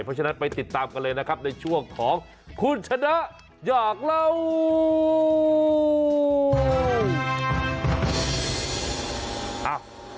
เพราะฉะนั้นไปติดตามกันเลยนะครับในช่วงของคุณชนะอยากเล่า